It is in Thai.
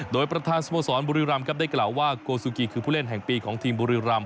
โดยประธานสมสรรบุริลรัมย์ครับได้กล่าวว่าโกสุกี้คือผู้เล่นแห่งปีของทีมบุริลรัมย์